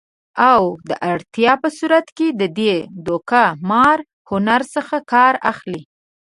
او د اړتیا په صورت کې د دې دوکه مار هنر څخه کار اخلي